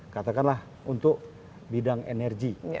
katakanlah untuk bidang energi